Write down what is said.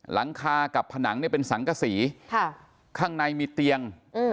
หลังคากับผนังเนี่ยเป็นสังกษีข้างในมีเตียง